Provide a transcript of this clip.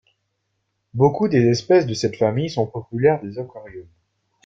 Beaucoup des espèces de cette famille sont populaires des aquariums.